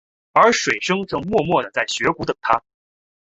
而水笙正默默地在雪谷等着他。